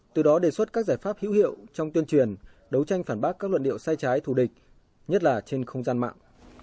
từ đó đề xuất các giải pháp hữu hiệu trong tuyên truyền đấu tranh phản bác các luận điệu sai trái thù địch nhất là trên không gian mạng